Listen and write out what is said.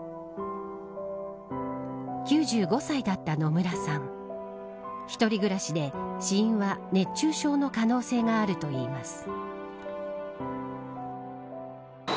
９５歳だった野村さん一人暮らしで死因は熱中症の可能性があるといいます。